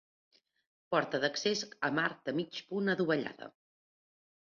Porta d'accés amb arc de mig punt adovellada.